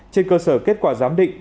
trên cơ sở kết quả giám định